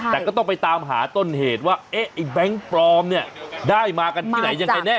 แต่ก็ต้องไปตามหาต้นเหตุว่าเอ๊ะไอ้แบงค์ปลอมเนี่ยได้มากันที่ไหนยังไงแน่